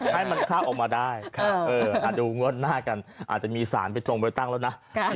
ให้มันเข้าออกมาได้ดูงวดหน้ากันอาจจะมีสารไปตรงไปตั้งแล้วนะ